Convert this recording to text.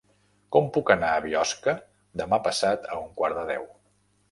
Com puc anar a Biosca demà passat a un quart de deu?